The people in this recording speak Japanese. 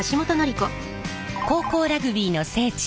高校ラグビーの聖地